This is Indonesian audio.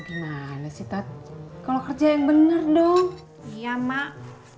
gimana sih tot kalau kerja yang bener dong iya mak